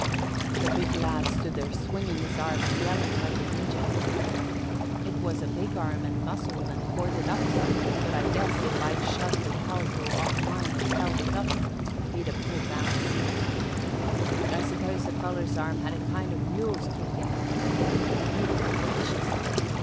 The big lad stood there swinging his arm and yelling like an Injun. It was a big arm and muscled and corded up some but I guess if I'd shoved the calico off mine and held it up he'd a pulled down his sleeve. I suppose the feller's arm had a kind of a mule's kick in it, but, good gracious!